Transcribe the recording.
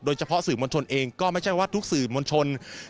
สื่อมวลชนเองก็ไม่ใช่ว่าทุกสื่อมวลชน